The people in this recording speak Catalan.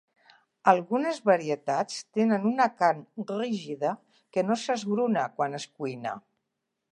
Algunes varietats tenen una carn rígida que no s'esgruna quan es cuina.